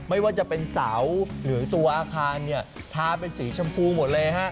ไม่ว่าจะเป็นเสาหรือตัวอาคารเนี่ยทาเป็นสีชมพูหมดเลยฮะ